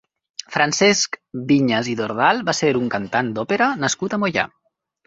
Francesc Viñas i Dordal va ser un cantant d'òpera nascut a Moià.